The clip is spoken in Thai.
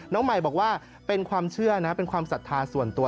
น้องใหม่บอกว่าเป็นความเชื่อนะเป็นความศรัทธาส่วนตัว